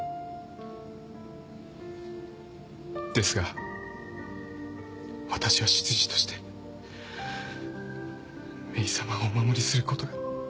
ですがわたしは執事としてメイさまをお守りすることが。